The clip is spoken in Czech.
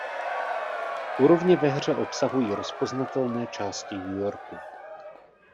Úrovně ve hře obsahují rozpoznatelné části New Yorku.